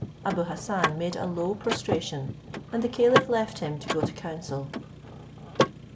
Abou Hassan made a low prostration, and the caliph left him to go to council.